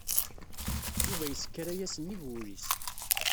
Yuba yesker aya sennig wul-is